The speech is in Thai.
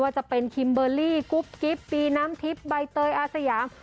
จะเป็นคิมเบอร์รี่กุ๊บกิ๊บปีน้ำทิพย์ใบเตยอาสยาม